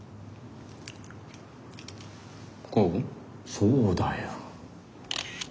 そうだよ。